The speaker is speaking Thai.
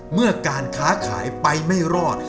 เมื่อการค้าขายไปไม่รอด